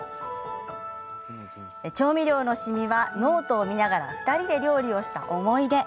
調味料のしみはノートを見ながら２人で料理をした思い出。